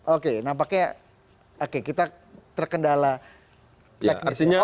oke nampaknya kita terkendala teknis